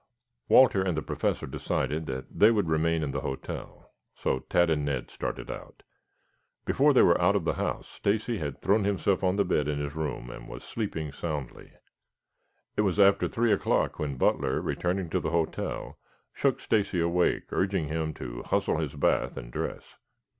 Walter and the Professor decided that they would remain in the hotel, so Tad and Ned started out. Before they were out of the house, Stacy had thrown himself on the bed in his room, and was sleeping soundly. It was after three o'clock when Butler, returning to the hotel, shook Stacy awake, urging him to hustle his bath and dress.